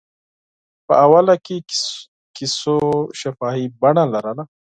په اوله کې کیسو شفاهي بڼه لرله.